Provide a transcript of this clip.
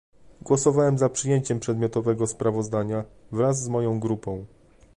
Głosowałem za przyjęciem przedmiotowego sprawozdania, wraz z moją grupą